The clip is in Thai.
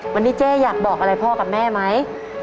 วันนี้เจ๊อยากบอกอะไรพ่อกับแม่ไหม